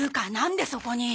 んでそこに。